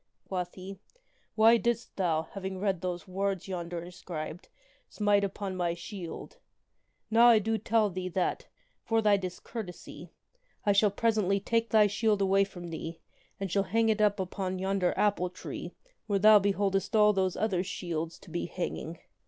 quoth he, "why didst thou, having read those words yonder inscribed, smite upon my shield ? Now I do tell thee that, for thy dis courtesy, I shall presently take thy shield away from thee, and shall hang it up upon yonder apple tree where thou beholdest all those other shields KING ARTHUR ENCOUNTERS THE SABLE KNIGHT 55 to be hanging.